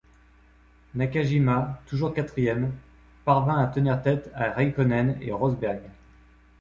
Nakajima, toujours quatrième, parvient à tenir tête à Räikkonen et Rosberg.